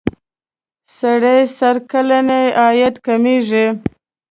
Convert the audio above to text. سړي سر کلنی عاید کمیږي.